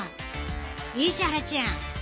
石原ちゃん！